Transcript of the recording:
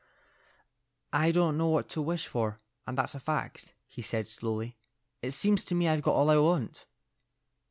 "I don't know what to wish for, and that's a fact," he said, slowly. "It seems to me I've got all I want."